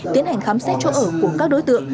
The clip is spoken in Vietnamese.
tiến hành khám xét chỗ ở của các đối tượng